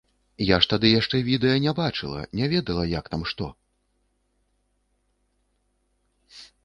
Я ж тады яшчэ відэа не бачыла, не ведала, як там што.